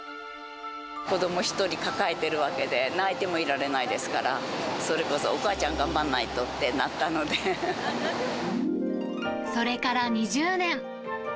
子ども１人抱えてるわけで、泣いてもいられないですから、それこそ、お母ちゃん、それから２０年。